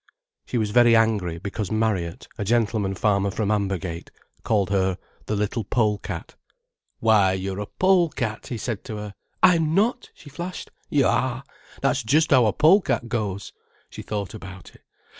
She was very angry because Marriott, a gentleman farmer from Ambergate, called her the little pole cat. "Why, you're a pole cat," he said to her. "I'm not," she flashed. "You are. That's just how a pole cat goes." She thought about it.